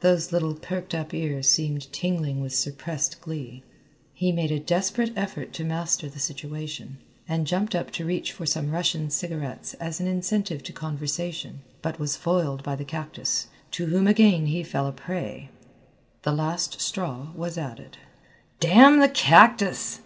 Those little perked up ears seemed tingling with suppressed glee. He made a desperate effort to master the situation, and jumped up to reach for some Russian cigarettes as an incentive to conversation, but was foiled by the cactus, to whom again he fell a prey. The last straw was added. "Damn the cactus."